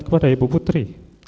kepada ibu putri